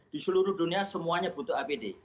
di seluruh dunia semuanya butuh apd